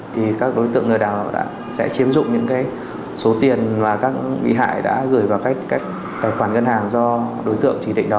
thì các đối tượng lừa đảo sẽ chiếm dụng những số tiền mà các bị hại đã gửi vào các tài khoản ngân hàng do đối tượng chỉ tnh đó